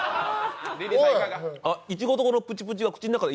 イチゴとのプチプチが口の中に。